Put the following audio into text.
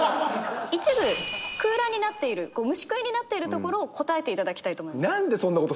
一部空欄になっている虫食いになっているところを答えていただきたいと思います。